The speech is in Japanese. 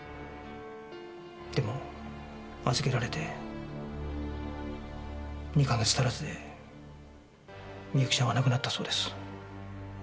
でも預けられて２か月足らずで美雪ちゃんは亡くなったそうです。